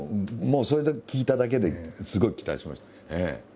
もうそれだけ聞いただけですごい期待しました。